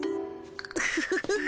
フフフフフ